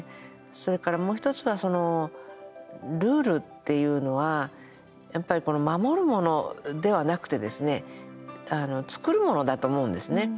それから、もう１つはそのルールっていうのはやっぱり守るものではなくてですね作るものだと思うんですね。